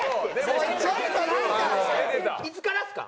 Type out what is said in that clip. いつからっすか？